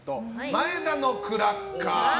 前田のクラッカー。